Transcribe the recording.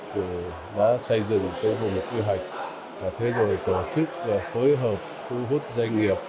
chúng tôi đã xây dựng một kế hoạch và tổ chức phối hợp phú hút doanh nghiệp